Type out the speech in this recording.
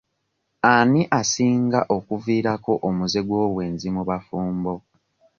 Ani asinga okuviirako omuze gw'obwenzi mu bafumbo?